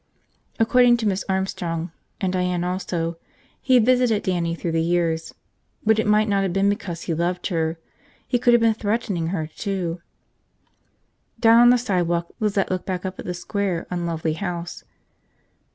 According to Miss Armstrong, and Diane also, he had visited Dannie through the years. But it might not have been because he loved her. He could have been threatening her, too. Down on the sidewalk, Lizette looked back up at the square, unlovely house.